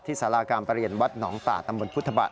ที่สารากามประเภยญวัดหนองตะตำบลพุทธบาท